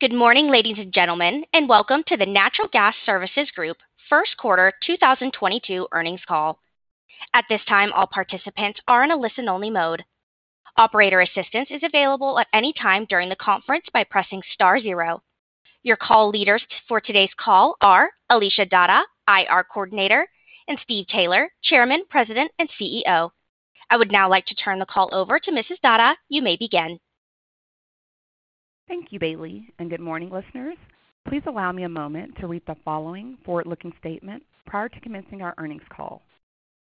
Good morning, ladies and gentlemen, and welcome to the Natural Gas Services Group First Quarter 2022 Earnings Call. At this time, all participants are in a listen-only mode. Operator assistance is available at any time during the conference by pressing star zero. Your call leaders for today's call are Alicia Dada, IR Coordinator, and Stephen Taylor, Chairman, President, and CEO. I would now like to turn the call over to Mrs. Dada. You may begin. Thank you, Bailey, and good morning, listeners. Please allow me a moment to read the following forward-looking statements prior to commencing our earnings call.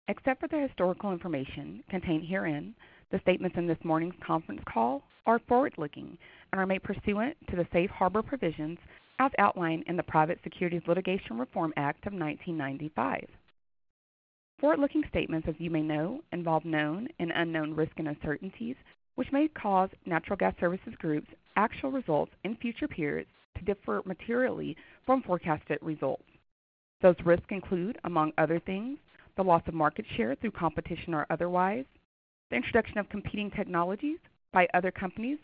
Except for the historical information contained herein, the statements in this morning's conference call are forward-looking and are made pursuant to the safe harbor provisions as outlined in the Private Securities Litigation Reform Act of 1995. Forward-looking statements, as you may know, involve known and unknown risks and uncertainties which may cause Natural Gas Services Group's actual results in future periods to differ materially from forecasted results. Those risks include, among other things, the loss of market share through competition or otherwise, the introduction of competing technologies by other companies,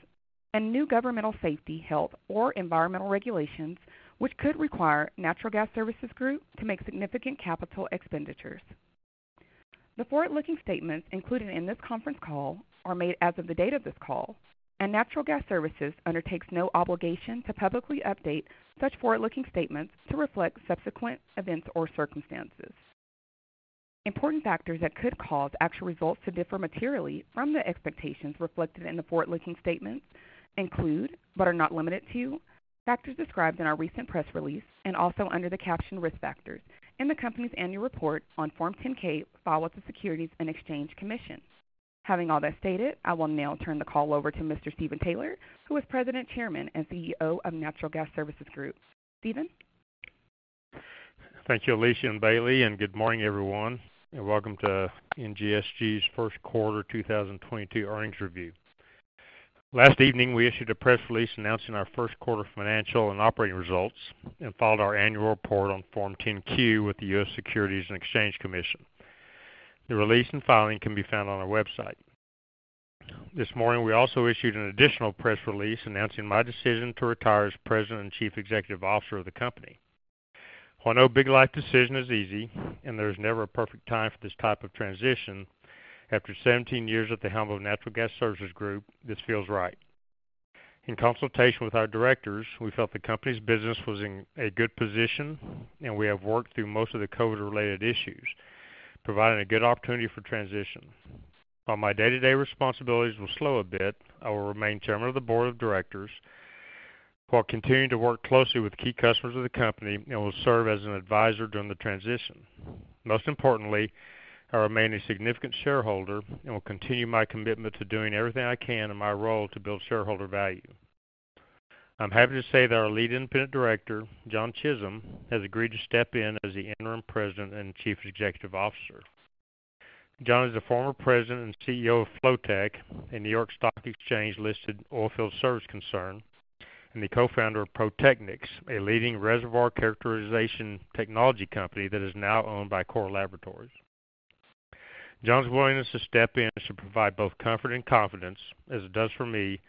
and new governmental safety, health, or environmental regulations, which could require Natural Gas Services Group to make significant capital expenditures. The forward-looking statements included in this conference call are made as of the date of this call, and Natural Gas Services Group undertakes no obligation to publicly update such forward-looking statements to reflect subsequent events or circumstances. Important factors that could cause actual results to differ materially from the expectations reflected in the forward-looking statements include, but are not limited to, factors described in our recent press release and also under the caption Risk Factors in the company's annual report on Form 10-K filed with the Securities and Exchange Commission. Having all that stated, I will now turn the call over to Mr. Stephen Taylor, who is President, Chairman, and CEO of Natural Gas Services Group. Stephen? Thank you, Alicia Dada and Bailey, and good morning, everyone, and welcome to NGSG's First Quarter 2022 Earnings Review. Last evening, we issued a press release announcing our first quarter financial and operating results and filed our annual report on Form 10-Q with the U.S. Securities and Exchange Commission. The release and filing can be found on our website. This morning, we also issued an additional press release announcing my decision to retire as President and Chief Executive Officer of the company. While no big life decision is easy and there is never a perfect time for this type of transition, after 17 years at the helm of Natural Gas Services Group, this feels right. In consultation with our directors, we felt the company's business was in a good position, and we have worked through most of the COVID-related issues, providing a good opportunity for transition. While my day-to-day responsibilities will slow a bit, I will remain Chairman of the Board of Directors while continuing to work closely with key customers of the company and will serve as an advisor during the transition. Most importantly, I remain a significant shareholder and will continue my commitment to doing everything I can in my role to build shareholder value. I'm happy to say that our lead independent director, John Chisholm, has agreed to step in as the interim President and Chief Executive Officer. John is the former President and CEO of Flotek, a New York Stock Exchange-listed oilfield service concern, and the co-founder of ProTechnics, a leading reservoir characterization technology company that is now owned by Core Laboratories. John's willingness to step in should provide both comfort and confidence, as it does for me,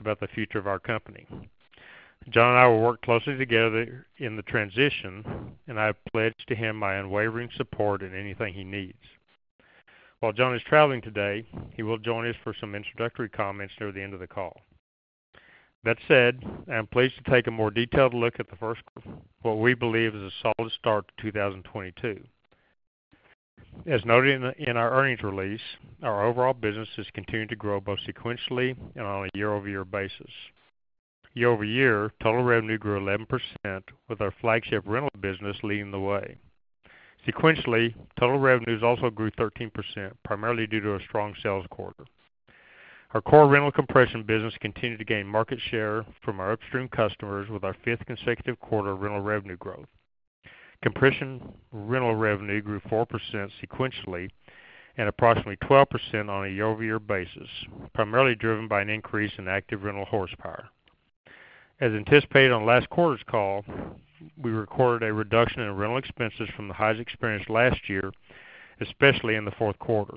about the future of our company. John and I will work closely together in the transition, and I have pledged to him my unwavering support in anything he needs. While John is traveling today, he will join us for some introductory comments near the end of the call. That said, I am pleased to take a more detailed look at what we believe is a solid start to 2022. As noted in our earnings release, our overall business has continued to grow both sequentially and on a year-over-year basis. Year-over-year, total revenue grew 11%, with our flagship rental business leading the way. Sequentially, total revenues also grew 13%, primarily due to a strong sales quarter. Our core rental compression business continued to gain market share from our upstream customers with our fifth consecutive quarter rental revenue growth. Compression rental revenue grew 4% sequentially and approximately 12% on a year-over-year basis, primarily driven by an increase in active rental horsepower. As anticipated on last quarter's call, we recorded a reduction in rental expenses from the highs experienced last year, especially in the fourth quarter.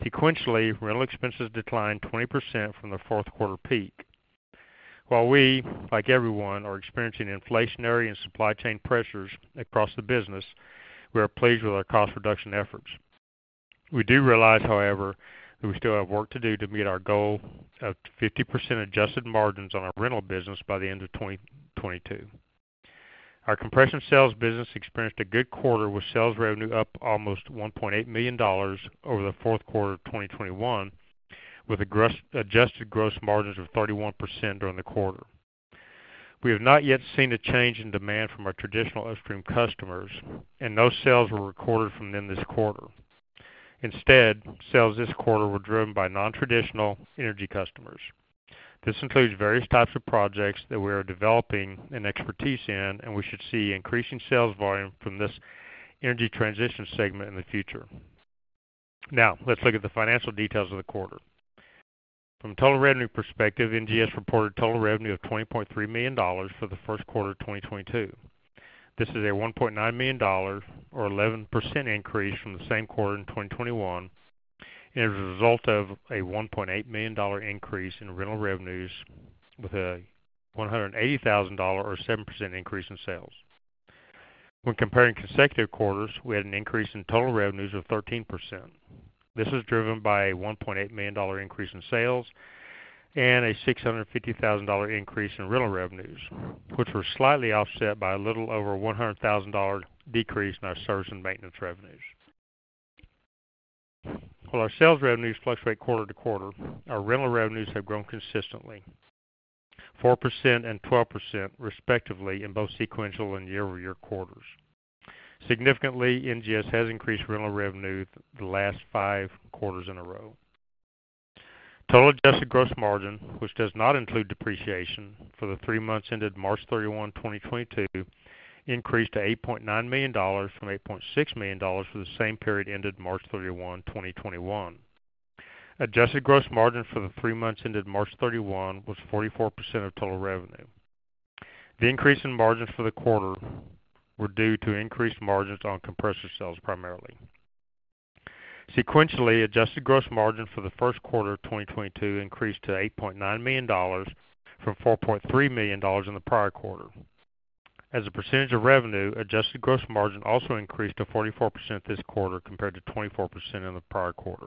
Sequentially, rental expenses declined 20% from the fourth quarter peak. While we, like everyone, are experiencing inflationary and supply chain pressures across the business, we are pleased with our cost reduction efforts. We do realize, however, that we still have work to do to meet our goal of 50% adjusted margins on our rental business by the end of 2022. Our compression sales business experienced a good quarter with sales revenue up almost $1.8 million over the fourth quarter of 2021, with adjusted gross margins of 31% during the quarter. We have not yet seen a change in demand from our traditional upstream customers, and no sales were recorded from them this quarter. Instead, sales this quarter were driven by non-traditional energy customers. This includes various types of projects that we are developing an expertise in, and we should see increasing sales volume from this energy transition segment in the future. Now let's look at the financial details of the quarter. From a total revenue perspective, NGS reported total revenue of $20.3 million for the first quarter of 2022. This is a $1.9 million or 11% increase from the same quarter in 2021. It is a result of a $1.8 million dollar increase in rental revenues with a $180,000 or 7% increase in sales. When comparing consecutive quarters, we had an increase in total revenues of 13%. This is driven by a $1.8 million increase in sales and a $650,000 increase in rental revenues, which were slightly offset by a little over $100,000 decrease in our service and maintenance revenues. While our sales revenues fluctuate quarter-to-quarter, our rental revenues have grown consistently 4% and 12% respectively in both sequential and year-over-year quarters. Significantly, NGS has increased rental revenue the last 5 quarters in a row. Total adjusted gross margin, which does not include depreciation for the three months ended March 31, 2022, increased to $8.9 million from $8.6 million for the same period ended March 31, 2021. Adjusted gross margin for the 3 months ended March 31 was 44% of total revenue. The increase in margins for the quarter were due to increased margins on compressor sales primarily. Sequentially, adjusted gross margin for the first quarter of 2022 increased to $8.9 million from $4.3 million in the prior quarter. As a percentage of revenue, adjusted gross margin also increased to 44% this quarter compared to 24% in the prior quarter.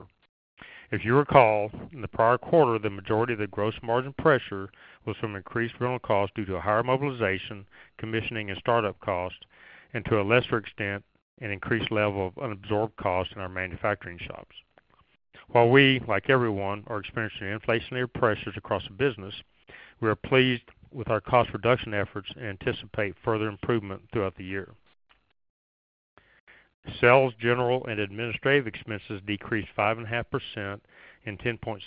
If you recall, in the prior quarter, the majority of the gross margin pressure was from increased rental costs due to a higher mobilization, commissioning and startup cost, and to a lesser extent, an increased level of unabsorbed cost in our manufacturing shops. While we, like everyone, are experiencing inflationary pressures across the business, we are pleased with our cost reduction efforts and anticipate further improvement throughout the year. Sales, general and administrative expenses decreased 5.5% and 10.7%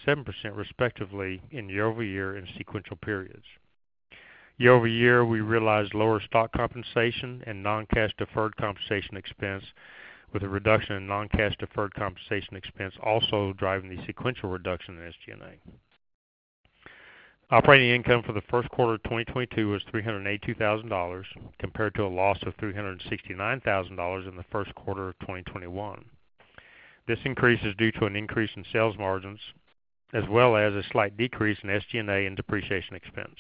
respectively in year-over-year and sequential periods. Year-over-year, we realized lower stock compensation and non-cash deferred compensation expense, with a reduction in non-cash deferred compensation expense also driving the sequential reduction in SG&A. Operating income for the first quarter of 2022 was $382,000 compared to a loss of $369,000 in the first quarter of 2021. This increase is due to an increase in sales margins as well as a slight decrease in SG&A and depreciation expense.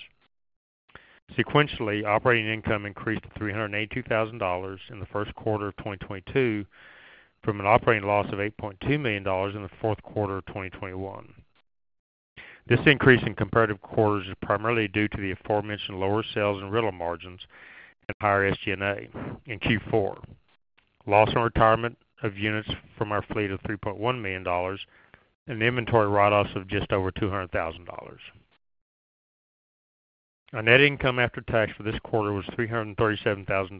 Sequentially, operating income increased to $382 thousand in the first quarter of 2022 from an operating loss of $8.2 million in the fourth quarter of 2021. This increase in comparative quarters is primarily due to the aforementioned lower sales and rental margins and higher SG&A in Q4. Loss on retirement of units from our fleet of $3.1 million and the inventory write-offs of just over $200 thousand. Our net income after tax for this quarter was $337 thousand.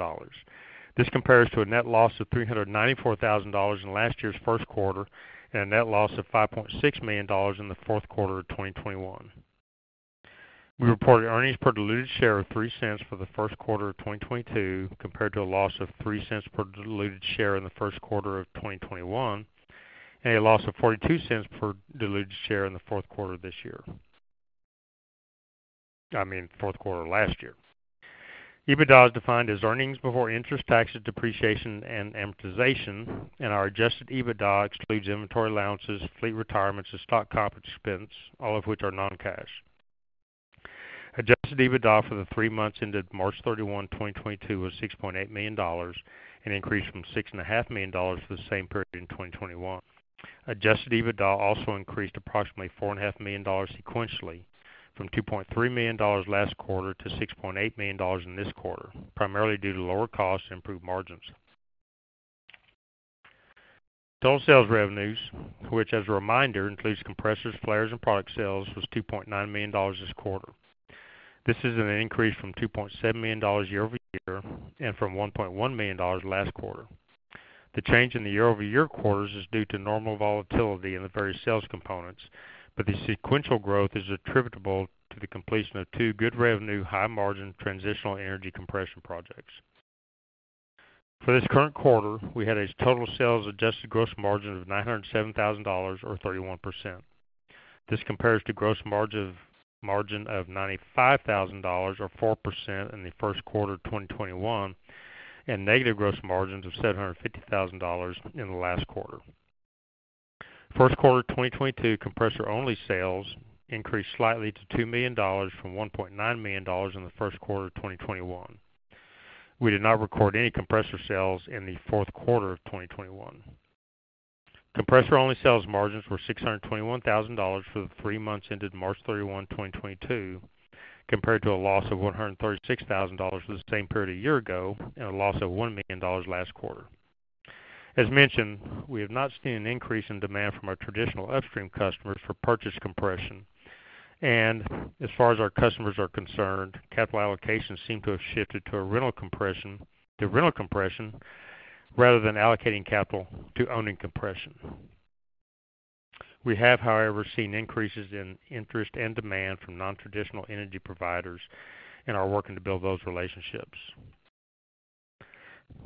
This compares to a net loss of $394 thousand in last year's first quarter and a net loss of $5.6 million in the fourth quarter of 2021. We reported earnings per diluted share of $0.03 for the first quarter of 2022, compared to a loss of $0.03 per diluted share in the first quarter of 2021, and a loss of $0.42 per diluted share in the fourth quarter this year. I mean, fourth quarter last year. EBITDA is defined as earnings before interest, taxes, depreciation and amortization, and our adjusted EBITDA excludes inventory allowances, fleet retirements, and stock compensation expense, all of which are non-cash. Adjusted EBITDA for the three months ended March 31, 2022 was $6.8 million, an increase from $6.5 million for the same period in 2021. Adjusted EBITDA also increased approximately $4.5 million sequentially from $2.3 million last quarter to $6.8 million in this quarter, primarily due to lower costs and improved margins. Total sales revenues, which as a reminder includes compressors, flares and product sales, was $2.9 million this quarter. This is an increase from $2.7 million year-over-year and from $1.1 million last quarter. The change in the year-over-year quarters is due to normal volatility in the various sales components, but the sequential growth is attributable to the completion of two good revenue, high margin transitional energy compression projects. For this current quarter, we had a total sales adjusted gross margin of $907,000 or 31%. This compares to gross margin of $95,000 or 4% in the first quarter of 2021, and negative gross margins of $750,000 in the last quarter. First quarter 2022 compressor only sales increased slightly to $2 million from $1.9 million in the first quarter of 2021. We did not record any compressor sales in the fourth quarter of 2021. Compressor only sales margins were $621,000 for the three months ended March 31, 2022, compared to a loss of $136,000 for the same period a year ago and a loss of $1 million last quarter. As mentioned, we have not seen an increase in demand from our traditional upstream customers for purchase compression, and as far as our customers are concerned, capital allocations seem to have shifted to rental compression rather than allocating capital to owning compression. We have, however, seen increases in interest and demand from non-traditional energy providers and are working to build those relationships.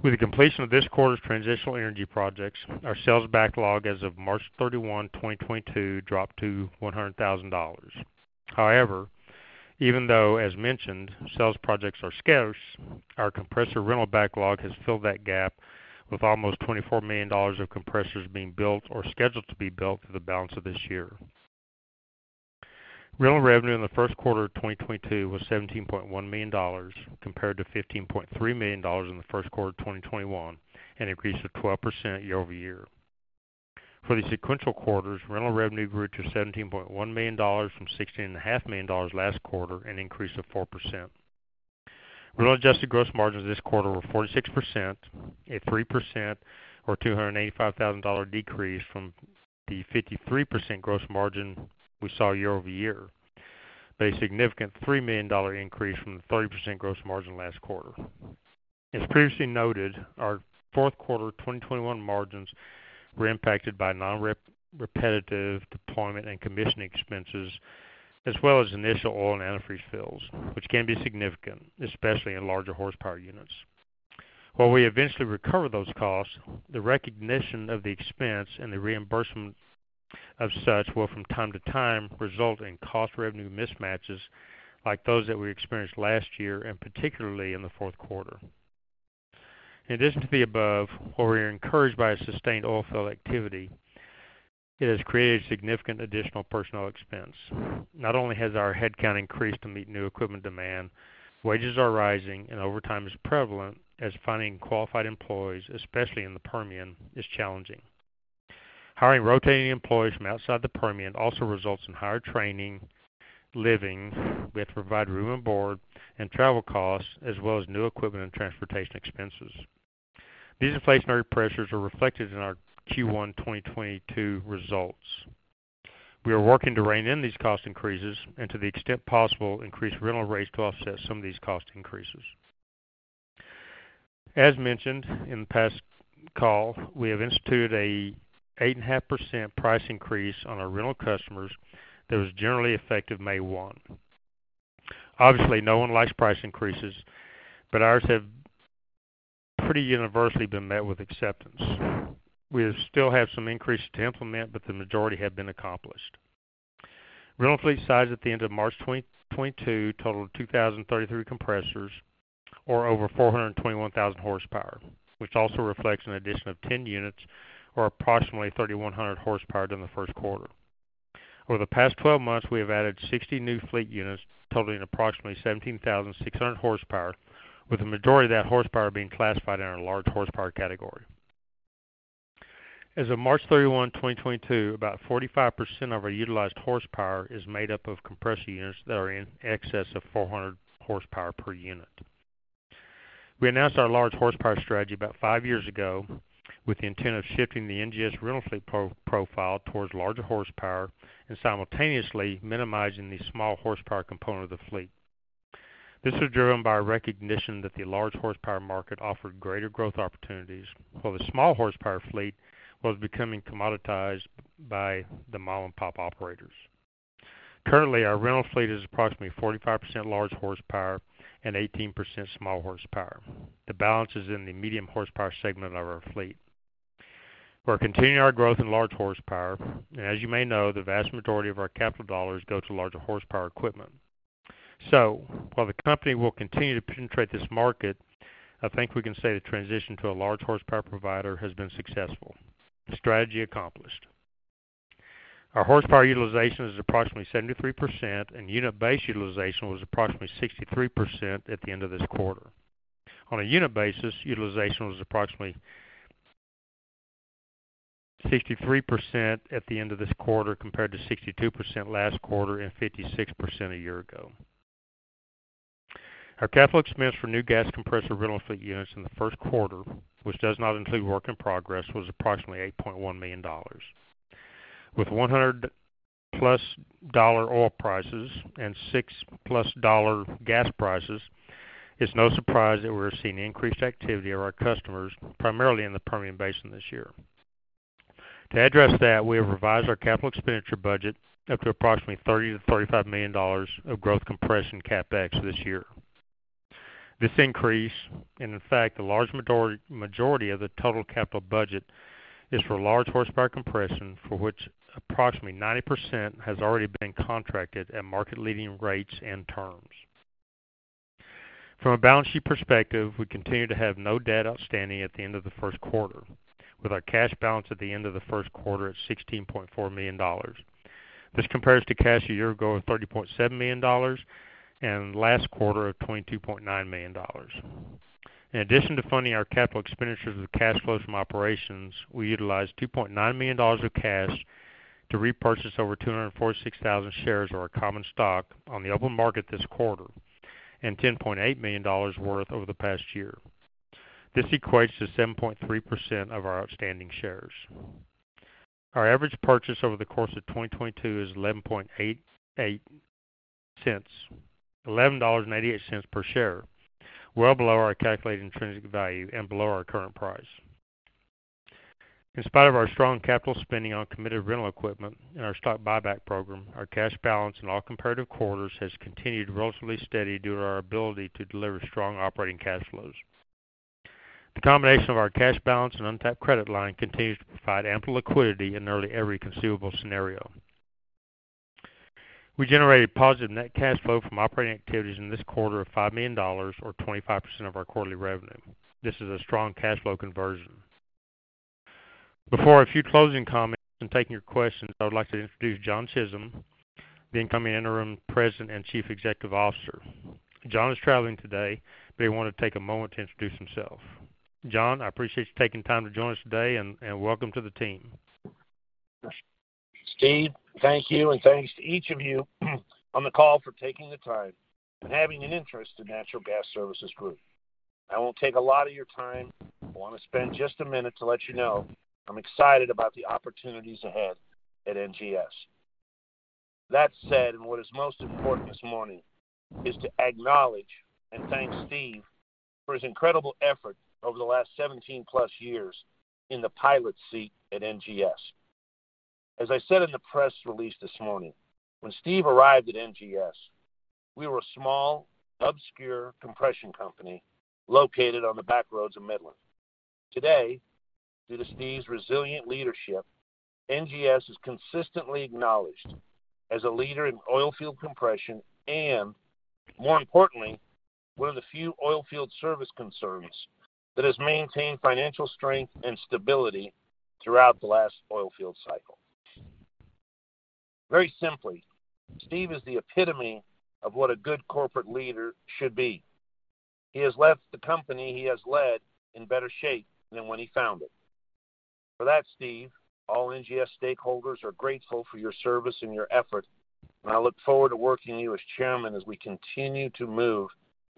With the completion of this quarter's transitional energy projects, our sales backlog as of March 31, 2022 dropped to $100,000. However, even though as mentioned, sales projects are scarce, our compressor rental backlog has filled that gap with almost $24 million of compressors being built or scheduled to be built for the balance of this year. Rental revenue in the first quarter of 2022 was $17.1 million compared to $15.3 million in the first quarter of 2021, an increase of 12% year-over-year. For the sequential quarters, rental revenue grew to $17.1 million from $16.5 million last quarter, an increase of 4%. Rental adjusted gross margins this quarter were 46%, a 3% or $285,000 decrease from the 53% gross margin we saw year-over-year. A significant $3 million increase from the 30% gross margin last quarter. As previously noted, our fourth quarter 2021 margins were impacted by non-repetitive deployment and commissioning expenses, as well as initial oil and antifreeze fills, which can be significant, especially in larger horsepower units. While we eventually recover those costs, the recognition of the expense and the reimbursement of such will from time to time result in cost revenue mismatches like those that we experienced last year and particularly in the fourth quarter. In addition to the above, while we are encouraged by a sustained oilfield activity, it has created significant additional personnel expense. Not only has our headcount increased to meet new equipment demand, wages are rising and overtime is prevalent as finding qualified employees, especially in the Permian, is challenging. Hiring rotating employees from outside the Permian also results in higher training, living. We have to provide room and board and travel costs as well as new equipment and transportation expenses. These inflationary pressures are reflected in our Q1 2022 results. We are working to rein in these cost increases and to the extent possible, increase rental rates to offset some of these cost increases. As mentioned in the past call, we have instituted a 8.5% price increase on our rental customers that was generally effective May 1. Obviously, no one likes price increases, but ours have pretty universally been met with acceptance. We still have some increases to implement, but the majority have been accomplished. Rental fleet size at the end of March 2022 totaled 2,033 compressors or over 421,000 horsepower, which also reflects an addition of 10 units or approximately 3,100 horsepower during the first quarter. Over the past 12 months, we have added 60 new fleet units totaling approximately 17,600 horsepower, with the majority of that horsepower being classified in our large horsepower category. As of March 31, 2022, about 45% of our utilized horsepower is made up of compressor units that are in excess of 400 horsepower per unit. We announced our large horsepower strategy about 5 years ago with the intent of shifting the NGS rental fleet profile towards larger horsepower and simultaneously minimizing the small horsepower component of the fleet. This was driven by recognition that the large horsepower market offered greater growth opportunities, while the small horsepower fleet was becoming commoditized by the mom-and-pop operators. Currently, our rental fleet is approximately 45% large horsepower and 18% small horsepower. The balance is in the medium horsepower segment of our fleet. We're continuing our growth in large horsepower, and as you may know, the vast majority of our capital dollars go to larger horsepower equipment. While the company will continue to penetrate this market, I think we can say the transition to a large horsepower provider has been successful. Strategy accomplished. Our horsepower utilization is approximately 73%, and unit base utilization was approximately 63% at the end of this quarter. On a unit basis, utilization was approximately 63% at the end of this quarter, compared to 62% last quarter and 56% a year ago. Our capital expense for new gas compressor rental fleet units in the first quarter, which does not include work in progress, was approximately $8.1 million. With $100+ oil prices and $6+ gas prices, it's no surprise that we're seeing increased activity of our customers, primarily in the Permian Basin this year. To address that, we have revised our capital expenditure budget up to approximately $30-$35 million of growth compression CapEx this year. This increase, and in fact, the large majority of the total capital budget is for large horsepower compression, for which approximately 90% has already been contracted at market leading rates and terms. From a balance sheet perspective, we continue to have no debt outstanding at the end of the first quarter, with our cash balance at the end of the first quarter at $16.4 million. This compares to cash a year ago of $30.7 million and last quarter of $22.9 million. In addition to funding our capital expenditures with cash flows from operations, we utilized $2.9 million of cash to repurchase over 246,000 shares of our common stock on the open market this quarter and $10.8 million worth over the past year. This equates to 7.3% of our outstanding shares. Our average purchase over the course of 2022 is $11.88 per share, well below our calculated intrinsic value and below our current price. In spite of our strong capital spending on committed rental equipment and our stock buyback program, our cash balance in all comparative quarters has continued relatively steady due to our ability to deliver strong operating cash flows. The combination of our cash balance and untapped credit line continues to provide ample liquidity in nearly every conceivable scenario. We generated positive net cash flow from operating activities in this quarter of $5 million, or 25% of our quarterly revenue. This is a strong cash flow conversion. Before a few closing comments and taking your questions, I would like to introduce John Chisholm, the incoming Interim President and Chief Executive Officer. John is traveling today, but he wanted to take a moment to introduce himself. John, I appreciate you taking time to join us today and welcome to the team. Steve, thank you, and thanks to each of you on the call for taking the time and having an interest in Natural Gas Services Group. I won't take a lot of your time. I wanna spend just a minute to let you know I'm excited about the opportunities ahead at NGS. That said, and what is most important this morning is to acknowledge and thank Steve for his incredible effort over the last 17+ years in the pilot seat at NGS. As I said in the press release this morning, when Steve arrived at NGS, we were a small, obscure compression company located on the back roads of Midland. Today, due to Steve's resilient leadership, NGS is consistently acknowledged as a leader in oil field compression and, more importantly, one of the few oil field service concerns that has maintained financial strength and stability throughout the last oil field cycle. Very simply, Steve is the epitome of what a good corporate leader should be. He has left the company he has led in better shape than when he found it. For that, Steve, all NGS stakeholders are grateful for your service and your effort, and I look forward to working with you as chairman as we continue to move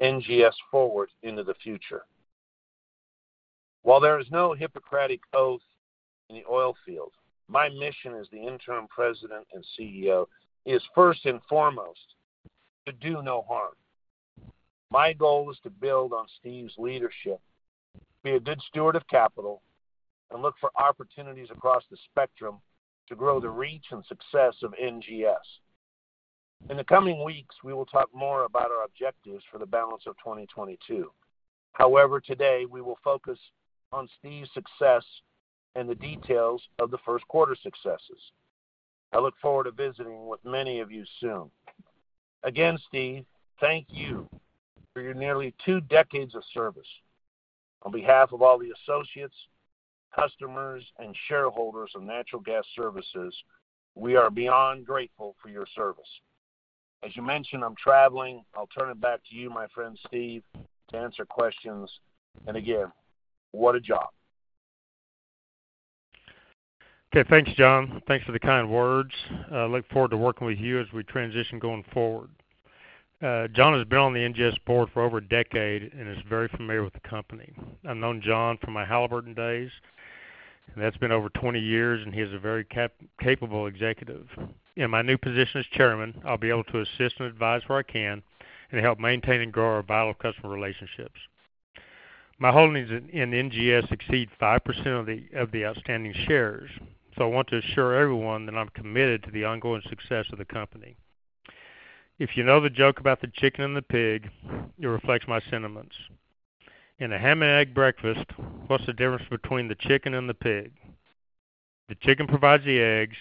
NGS forward into the future. While there is no Hippocratic oath in the oil field, my mission as the interim president and CEO is first and foremost to do no harm. My goal is to build on Steve's leadership, be a good steward of capital, and look for opportunities across the spectrum to grow the reach and success of NGS. In the coming weeks, we will talk more about our objectives for the balance of 2022. However, today we will focus on Steve's success and the details of the first quarter successes. I look forward to visiting with many of you soon. Again, Steve, thank you for your nearly two decades of service. On behalf of all the associates, customers, and shareholders of Natural Gas Services, we are beyond grateful for your service. As you mentioned, I'm traveling. I'll turn it back to you, my friend Steve, to answer questions. Again, what a job. Okay. Thanks, John. Thanks for the kind words. Look forward to working with you as we transition going forward. John has been on the NGS board for over a decade and is very familiar with the company. I've known John from my Halliburton days, and that's been over 20 years, and he is a very capable executive. In my new position as chairman, I'll be able to assist and advise where I can and help maintain and grow our vital customer relationships. My holdings in NGS exceed 5% of the outstanding shares, so I want to assure everyone that I'm committed to the ongoing success of the company. If you know the joke about the chicken and the pig, it reflects my sentiments. In a ham and egg breakfast, what's the difference between the chicken and the pig? The chicken provides the eggs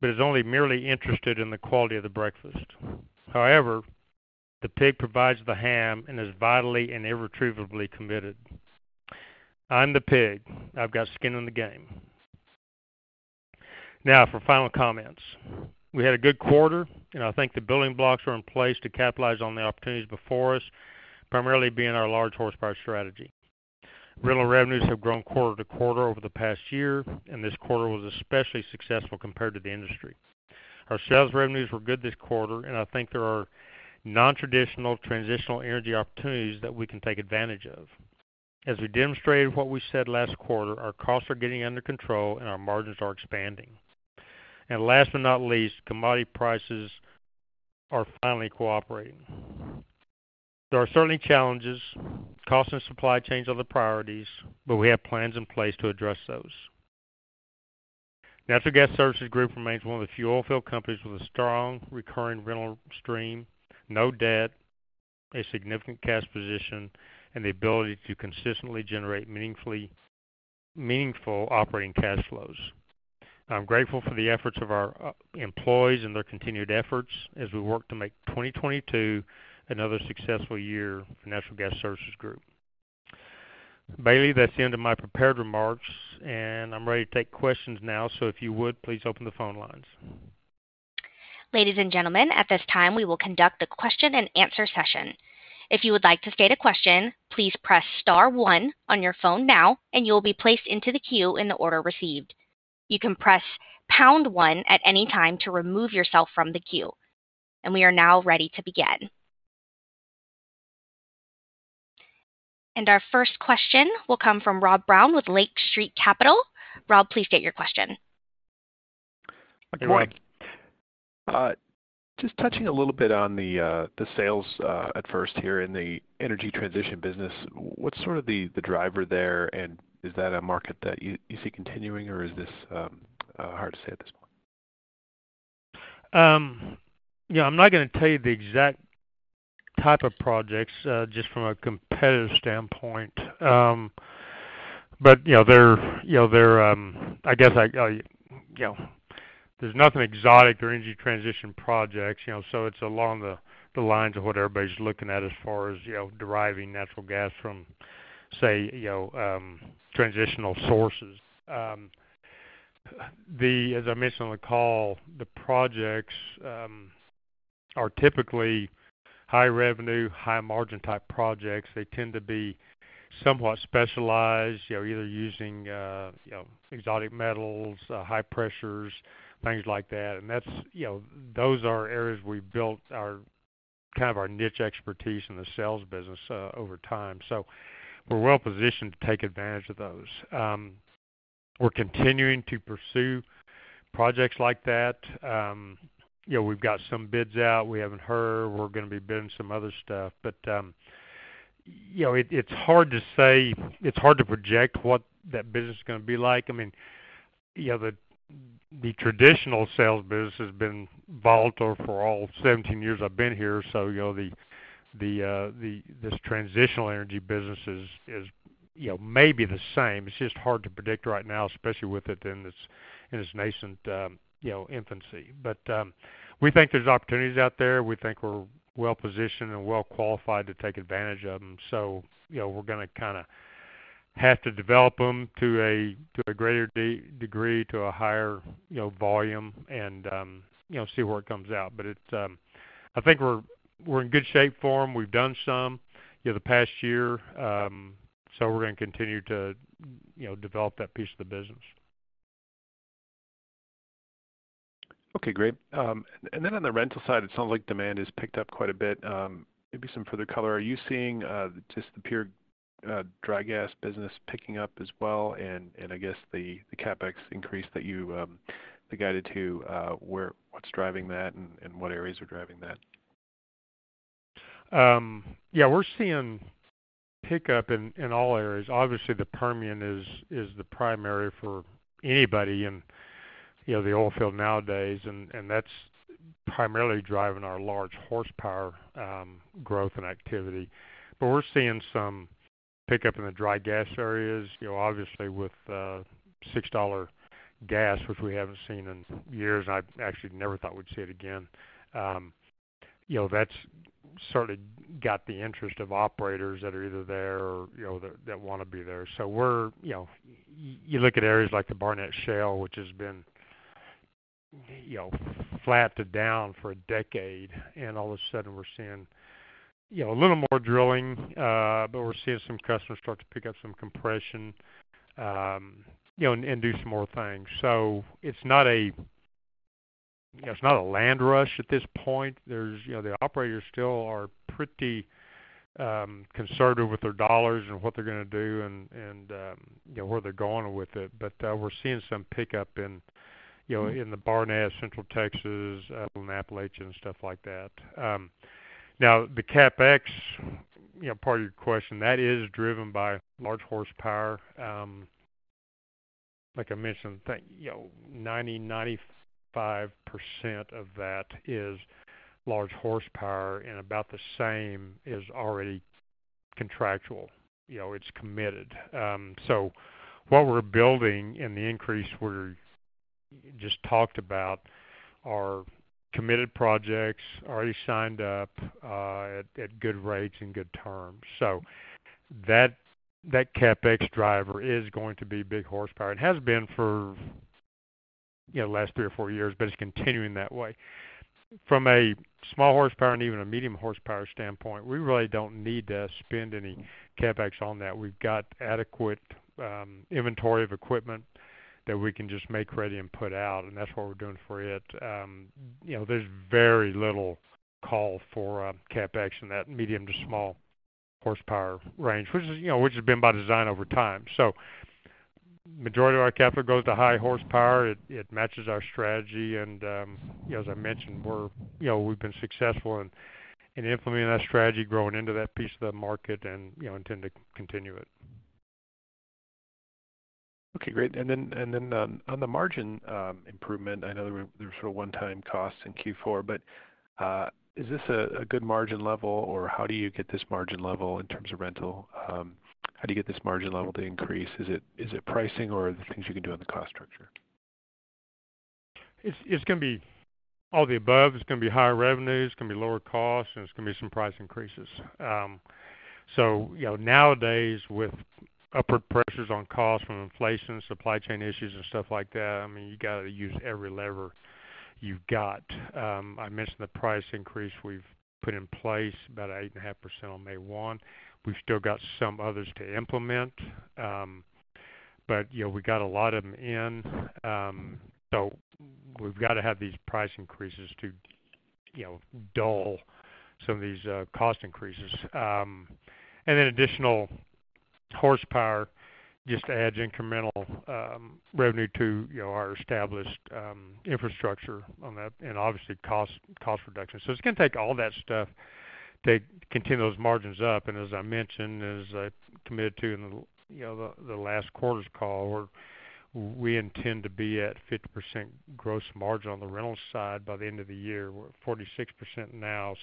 but is only merely interested in the quality of the breakfast. However, the pig provides the ham and is vitally and irretrievably committed. I'm the pig. I've got skin in the game. Now for final comments. We had a good quarter, and I think the building blocks are in place to capitalize on the opportunities before us, primarily being our large horsepower strategy. Rental revenues have grown quarter-over-quarter over the past year, and this quarter was especially successful compared to the industry. Our sales revenues were good this quarter, and I think there are non-traditional transitional energy opportunities that we can take advantage of. As we demonstrated what we said last quarter, our costs are getting under control, and our margins are expanding. Last but not least, commodity prices are finally cooperating. There are certainly challenges. Cost and supply chains are the priorities, but we have plans in place to address those. Natural Gas Services Group remains one of the few oil field companies with a strong recurring rental stream, no debt, a significant cash position, and the ability to consistently generate meaningful operating cash flows. I'm grateful for the efforts of our employees and their continued efforts as we work to make 2022 another successful year for Natural Gas Services Group. Bailey, that's the end of my prepared remarks, and I'm ready to take questions now. If you would, please open the phone lines. Ladies and gentlemen, at this time, we will conduct the question and answer session. If you would like to state a question, please press star one on your phone now, and you will be placed into the queue in the order received. You can press pound one at any time to remove yourself from the queue. We are now ready to begin. Our first question will come from Rob Brown with Lake Street Capital Markets. Rob, please state your question. Good morning. Just touching a little bit on the sales at first here in the energy transition business. What's sort of the driver there, and is that a market that you see continuing, or is this hard to say at this point? Yeah, I'm not gonna tell you the exact type of projects just from a competitive standpoint. You know, they're I guess, you know, there's nothing exotic or energy transition projects, you know, so it's along the lines of what everybody's looking at as far as, you know, deriving natural gas from, say, you know, transitional sources. As I mentioned on the call, the projects are typically high revenue, high margin type projects. They tend to be somewhat specialized, you know, either using exotic metals, high pressures, things like that. That's, you know, those are areas we built our kind of niche expertise in the sales business over time. We're well-positioned to take advantage of those. We're continuing to pursue projects like that. You know, we've got some bids out, we haven't heard, we're gonna be bidding some other stuff. You know, it's hard to say, it's hard to predict what that business is gonna be like. I mean, you know, the traditional sales business has been volatile for all 17 years I've been here. You know, this transitional energy business is, you know, maybe the same. It's just hard to predict right now, especially with it in its nascent, you know, infancy. We think there's opportunities out there, we think we're well-positioned and well qualified to take advantage of them. You know, we're gonna kinda have to develop them to a greater degree, to a higher, you know, volume, and, you know, see where it comes out. It's... I think we're in good shape for them. We've done some, you know, the past year, so we're gonna continue to, you know, develop that piece of the business. Okay, great. Then on the rental side, it sounds like demand has picked up quite a bit. Maybe some further color. Are you seeing just the pure dry gas business picking up as well? I guess the CapEx increase that you guided to, what's driving that and what areas are driving that? Yeah, we're seeing pickup in all areas. Obviously, the Permian is the primary for anybody in the oil field nowadays, and that's primarily driving our large horsepower growth and activity. We're seeing some pickup in the dry gas areas. You know, obviously with $6 gas, which we haven't seen in years, and I actually never thought we'd see it again, you know, that's sort of got the interest of operators that are either there or, you know, that wanna be there. You look at areas like the Barnett Shale, which has been, you know, flat to down for a decade, and all of a sudden we're seeing, you know, a little more drilling, but we're seeing some customers start to pick up some compression, you know, and do some more things. It's not a, you know, it's not a land rush at this point. There's, you know, the operators still are pretty conservative with their dollars and what they're gonna do and, you know, where they're going with it. We're seeing some pickup in, you know, in the Barnett, Central Texas, Appalachian and stuff like that. Now the CapEx, you know, part of your question, that is driven by large horsepower. Like I mentioned, you know, 95% of that is large horsepower, and about the same is already contractual, you know, it's committed. What we're building and the increase we just talked about are committed projects, already signed up, at good rates and good terms. That CapEx driver is going to be big horsepower. It has been for, you know, last three or four years, but it's continuing that way. From a small horsepower and even a medium horsepower standpoint, we really don't need to spend any CapEx on that. We've got adequate inventory of equipment that we can just make ready and put out, and that's what we're doing for it. You know, there's very little call for CapEx in that medium to small horsepower range, which is, you know, which has been by design over time. Majority of our capital goes to high horsepower. It matches our strategy. You know, as I mentioned, we're, you know, we've been successful in implementing that strategy, growing into that piece of the market and, you know, intend to continue it. Okay, great. On the margin improvement, I know there were sort of one-time costs in Q4, but is this a good margin level, or how do you get this margin level in terms of rental? How do you get this margin level to increase? Is it pricing or are there things you can do on the cost structure? It's gonna be all the above. It's gonna be higher revenues, it's gonna be lower costs, and it's gonna be some price increases. You know, nowadays, with upward pressures on costs from inflation, supply chain issues and stuff like that, I mean, you gotta use every lever you've got. I mentioned the price increase we've put in place, about 8.5% on May one. We've still got some others to implement. You know, we got a lot of them in. We've got to have these price increases to, you know, dull some of these cost increases. Then additional horsepower just adds incremental revenue to, you know, our established infrastructure on that and obviously cost reduction. It's gonna take all that stuff to continue those margins up. As I mentioned, as I committed to in the, you know, the last quarter's call, we intend to be at 50% gross margin on the rental side by the end of the year. We're at 46% now.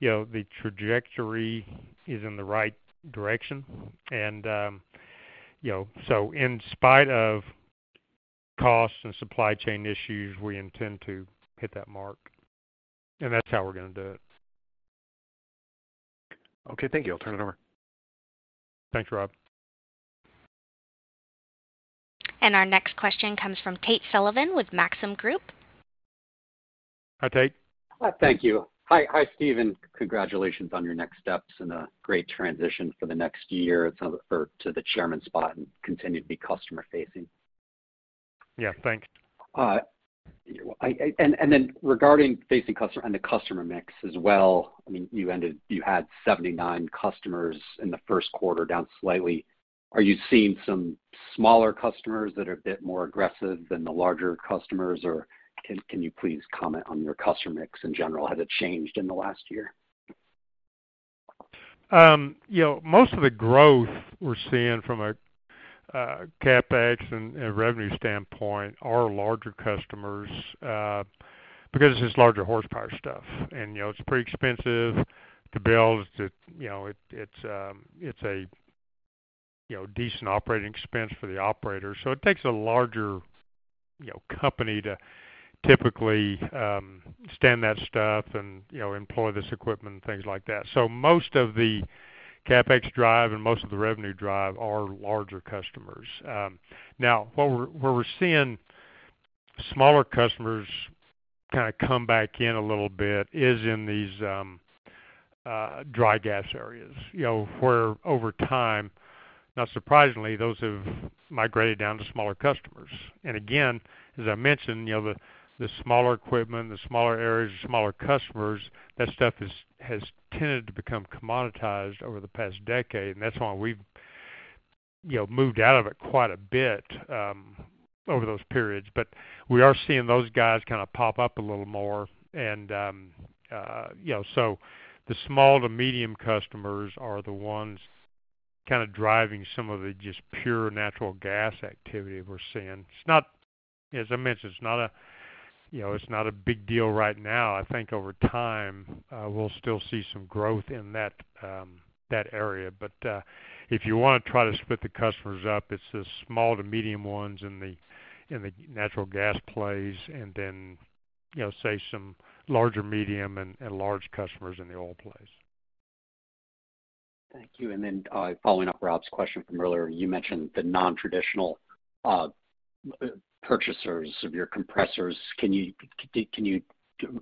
You know, the trajectory is in the right direction. You know, in spite of costs and supply chain issues, we intend to hit that mark, and that's how we're gonna do it. Okay, thank you. I'll turn it over. Thanks, Rob. Our next question comes from Tate Sullivan with Maxim Group. Hi, Tate. Thank you. Hi. Hi, Stephen. Congratulations on your next steps and a great transition for the next year to the Chairman spot and continue to be customer-facing. Yeah, thanks. Regarding the customer and the customer mix as well, I mean, you ended. You had 79 customers in the first quarter, down slightly. Are you seeing some smaller customers that are a bit more aggressive than the larger customers? Or can you please comment on your customer mix in general? Has it changed in the last year? You know, most of the growth we're seeing from a CapEx and revenue standpoint are larger customers, because it's just larger horsepower stuff. You know, it's pretty expensive to build. You know, it's a decent operating expense for the operator. It takes a larger company to typically stand that stuff and employ this equipment and things like that. Most of the CapEx drive and most of the revenue drive are larger customers. Now where we're seeing smaller customers kinda come back in a little bit is in these dry gas areas, you know, where over time, not surprisingly, those have migrated down to smaller customers. Again, as I mentioned, you know, the smaller equipment, the smaller areas, the smaller customers, that stuff has tended to become commoditized over the past decade, and that's why we've, you know, moved out of it quite a bit over those periods. We are seeing those guys kind of pop up a little more and, you know, so the small to medium customers are the ones kinda driving some of the just pure natural gas activity we're seeing. As I mentioned, it's not a, you know, big deal right now. I think over time, we'll still see some growth in that area. If you wanna try to split the customers up, it's the small to medium ones in the natural gas plays and then, you know, say some larger medium and large customers in the oil plays. Thank you. Following up Rob's question from earlier, you mentioned the non-traditional purchasers of your compressors.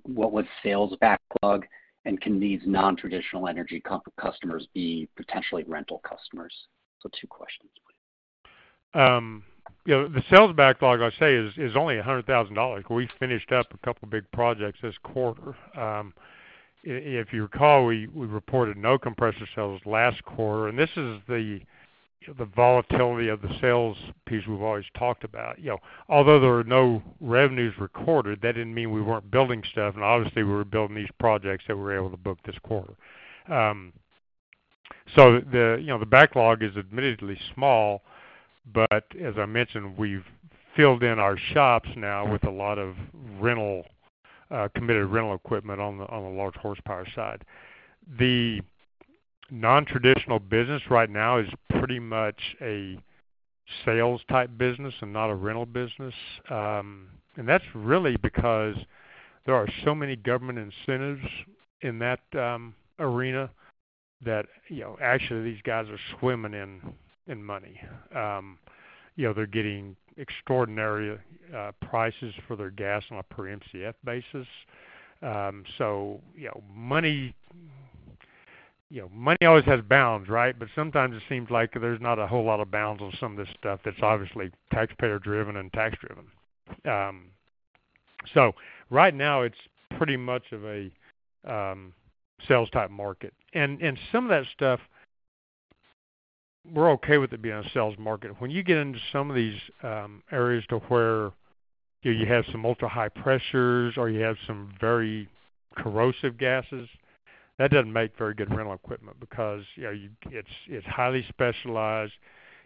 What was sales backlog? And can these non-traditional energy customers be potentially rental customers? Two questions, please. You know, the sales backlog, I say, is only $100,000. We finished up a couple big projects this quarter. If you recall, we reported no compressor sales last quarter, and this is the volatility of the sales piece we've always talked about. You know, although there were no revenues recorded, that didn't mean we weren't building stuff, and obviously, we were building these projects that we were able to book this quarter. The backlog is admittedly small, but as I mentioned, we've filled in our shops now with a lot of rental committed rental equipment on the large horsepower side. The non-traditional business right now is pretty much a sales type business and not a rental business. That's really because there are so many government incentives in that arena that, you know, actually these guys are swimming in money. You know, they're getting extraordinary prices for their gas on a per MCF basis. You know, money always has bounds, right? Sometimes it seems like there's not a whole lot of bounds on some of this stuff that's obviously taxpayer driven and tax driven. Right now it's pretty much a sales type market. Some of that stuff we're okay with it being a sales market. When you get into some of these areas where, you know, you have some ultra-high pressures or you have some very corrosive gases, that doesn't make very good rental equipment because, you know, it's highly specialized.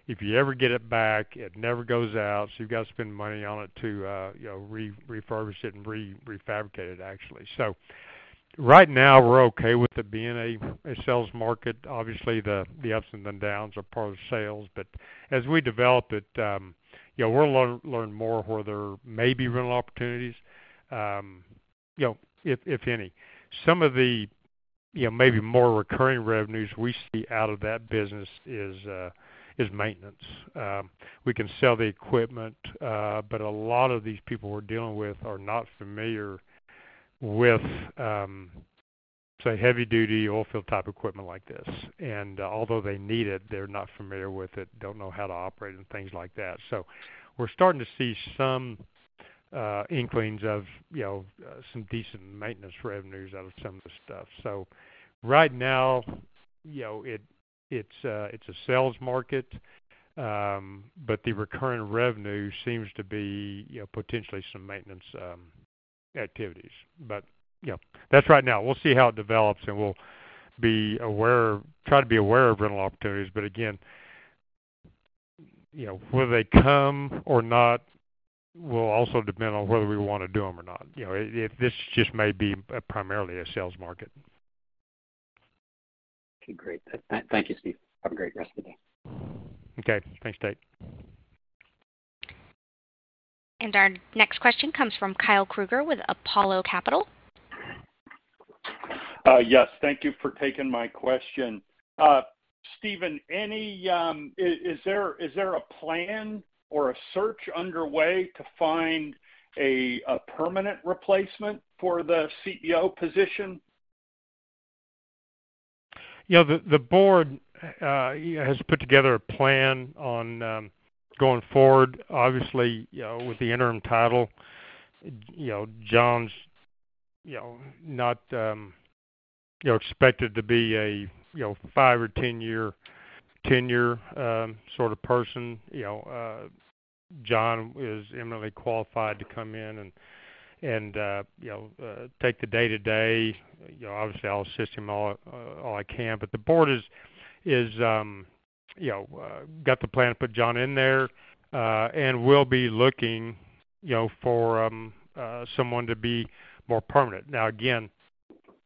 If you ever get it back, it never goes out, so you've got to spend money on it to, you know, re-refurbish it and re-refabricate it actually. So right now we're okay with it being a sales market. Obviously, the ups and the downs are part of sales, but as we develop it, you know, we'll learn more where there may be rental opportunities, you know, if any. Some of the, you know, maybe more recurring revenues we see out of that business is maintenance. We can sell the equipment, but a lot of these people we're dealing with are not familiar with, say, heavy-duty oil field type equipment like this. Although they need it, they're not familiar with it, don't know how to operate it and things like that. We're starting to see some inklings of, you know, some decent maintenance revenues out of some of the stuff. Right now, you know, it's a sales market, but the recurring revenue seems to be, you know, potentially some maintenance activities. You know, that's right now. We'll see how it develops, and we'll try to be aware of rental opportunities, but again, you know, will they come or not will also depend on whether we want to do them or not. You know, if this just may be primarily a sales market. Okay, great. Thank you, Steve. Have a great rest of the day. Okay. Thanks, Tate. Our next question comes from Kyle Krueger with Apollo Capital. Yes, thank you for taking my question. Stephen, is there a plan or a search underway to find a permanent replacement for the CEO position? You know, the board has put together a plan on going forward. Obviously, you know, with the interim title, you know, John is not expected to be a five or 10-year tenure sort of person. You know, John is eminently qualified to come in and take the day-to-day. You know, obviously I'll assist him all I can, but the board has got the plan to put John in there, and we'll be looking, you know, for someone to be more permanent. Now, again,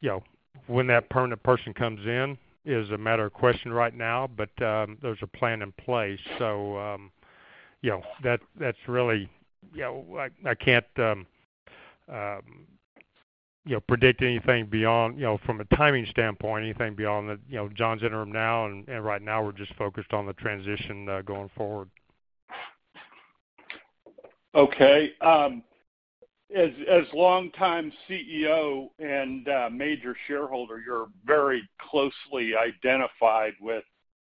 you know, when that permanent person comes in is a matter of question right now, but there's a plan in place. You know, that's really. You know, I can't, you know, predict anything beyond, you know, from a timing standpoint, anything beyond. You know, John Chisholm's interim now, and right now we're just focused on the transition, going forward. Okay. As longtime CEO and major shareholder, you're very closely identified with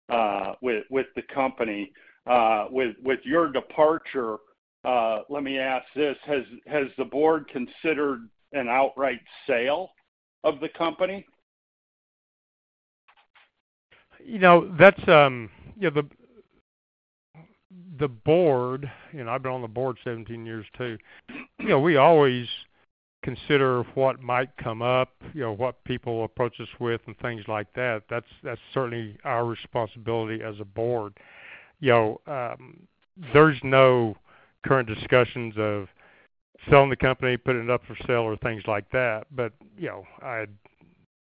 the company. With your departure, let me ask this: Has the board considered an outright sale of the company? You know, that's the board. You know, I've been on the board 17 years too. You know, we always consider what might come up, you know, what people approach us with and things like that. That's certainly our responsibility as a board. You know, there's no current discussions of selling the company, putting it up for sale or things like that. You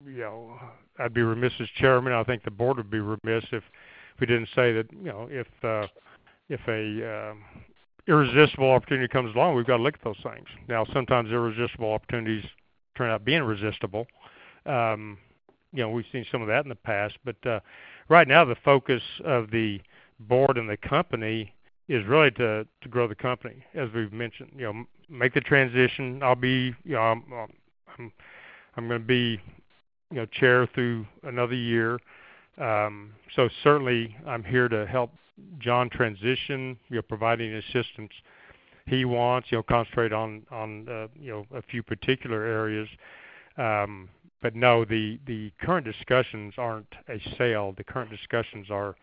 know, I'd be remiss as chairman. I think the board would be remiss if we didn't say that, you know, if a irresistible opportunity comes along, we've got to look at those things. Now, sometimes irresistible opportunities turn out being resistible. You know, we've seen some of that in the past, but right now, the focus of the board and the company is really to grow the company, as we've mentioned. You know, make the transition. I'm gonna be, you know, chair through another year. Certainly I'm here to help John transition. We are providing the assistance he wants. He'll concentrate on, you know, a few particular areas. No, the current discussions aren't a sale. The current discussions are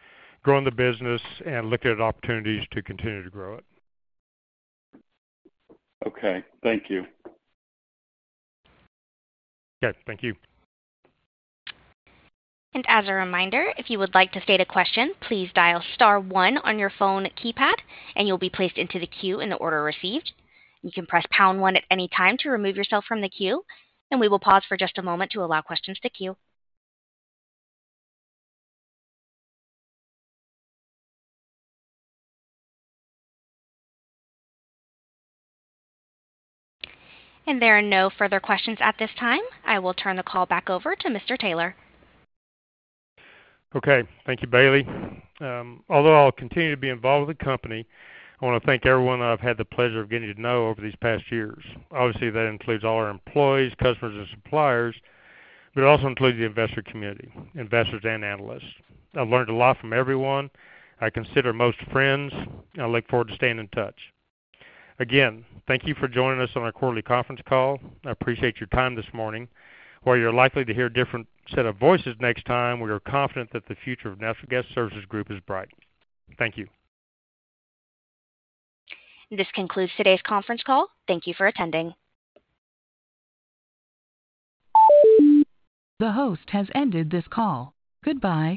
growing the business and looking at opportunities to continue to grow it. Okay. Thank you. Okay. Thank you. As a reminder, if you would like to state a question, please dial star one on your phone keypad and you'll be placed into the queue in the order received. You can press pound one at any time to remove yourself from the queue, and we will pause for just a moment to allow questions to queue. There are no further questions at this time. I will turn the call back over to Mr. Taylor. Okay. Thank you, Bailey. Although I'll continue to be involved with the company, I wanna thank everyone that I've had the pleasure of getting to know over these past years. Obviously, that includes all our employees, customers and suppliers, but it also includes the investor community, investors and analysts. I've learned a lot from everyone. I consider most friends, and I look forward to staying in touch. Again, thank you for joining us on our quarterly conference call. I appreciate your time this morning. While you're likely to hear a different set of voices next time, we are confident that the future of Natural Gas Services Group is bright. Thank you. This concludes today's conference call. Thank you for attending. The host has ended this call. Goodbye.